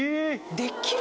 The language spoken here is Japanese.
できる？